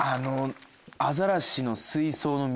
アザラシの水槽の水。